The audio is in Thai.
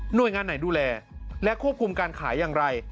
โดยงานไหนดูแลและควบคุมการขายอย่างไร